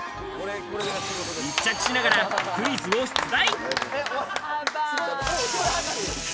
密着しながらクイズを出題。